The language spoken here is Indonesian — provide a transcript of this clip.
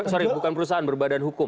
sorry bukan perusahaan berbadan hukum